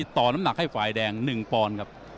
ต่อน้ำหนักให้ฝ่ายแดง๑ปอน